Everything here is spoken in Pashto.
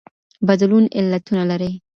بدلون علتونه لري.